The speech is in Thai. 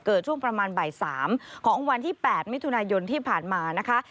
ช่วงประมาณบ่าย๓ของวันที่๘มิถุนายนที่ผ่านมานะคะ